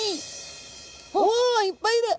おいっぱいいる！